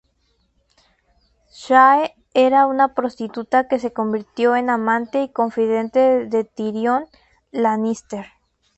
Shae era una prostituta que se convirtió en amante y confidente de Tyrion Lannister.